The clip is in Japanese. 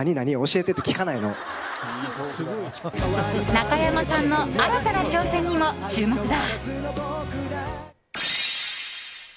中山さんの新たな挑戦にも注目だ。